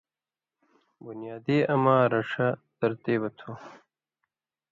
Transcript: بُنیادی اما رڇھہۡ ترتیبہ تھو۔